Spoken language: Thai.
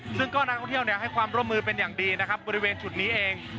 ซึ่งก็นักท่องเที่ยวให้ความร่วมมือเป็นอย่างดีนะครับบริเวณจุดนี้เอง